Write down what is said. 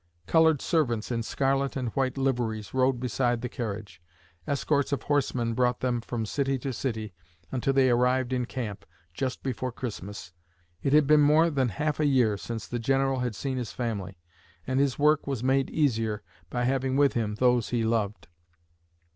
Colored servants in scarlet and white liveries rode beside the carriage. Escorts of horsemen brought them from city to city, until they arrived in camp, just before Christmas. It had been more than half a year since the General had seen his family and his work was made easier by having with him those he loved.